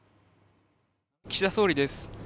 岸田総理です。